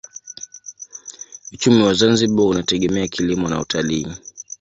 Uchumi wa Zanzibar unategemea kilimo na utalii.